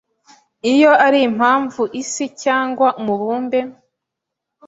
iyo ari Impamvu Isi cyangwa umubumbe